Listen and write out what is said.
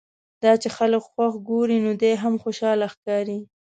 دا چې خلک خوښ ګوري نو دی هم خوشاله ښکاري.